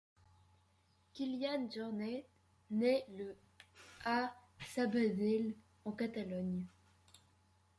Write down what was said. Kilian Jornet naît le à Sabadell en Catalogne.